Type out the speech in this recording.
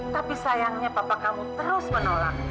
tapi sayangnya papa kamu terus menolak